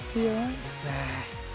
いいですね。